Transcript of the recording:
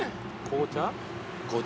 紅茶。